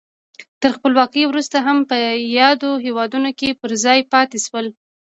تر خپلواکۍ وروسته هم په یادو هېوادونو کې پر ځای پاتې شول.